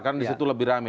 karena disitu lebih rame